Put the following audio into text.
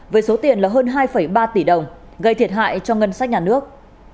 với số tiền là hơn hai ba tỷ đồng gây thiệt hại cho ngân sách nhà nước